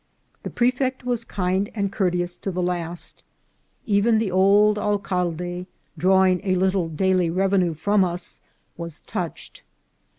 The prefect was kind and courteous to the last ; even the old alcalde, drawing a little daily revenue from us, was touched.